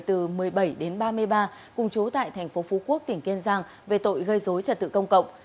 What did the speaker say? từ một mươi bảy đến ba mươi ba cùng chú tại thành phố phú quốc tỉnh kiên giang về tội gây dối trật tự công cộng